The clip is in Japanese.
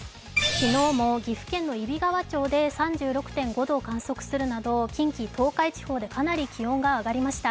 昨日も岐阜県の揖斐川町で３６．５度を観測するなど近畿・東海地方でかなり気温が上がりました。